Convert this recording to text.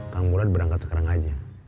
kamu lihat berangkat sekarang aja